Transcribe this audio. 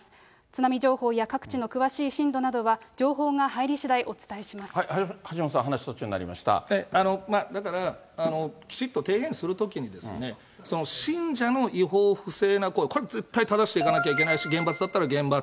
津波情報や各地の詳しい震度などは情報が入りしだい、橋下さん、だから、きちっと提言するときに、信者の違法、不正な行為、これ絶対ただしていかなきゃいけないし、厳罰だったら厳罰。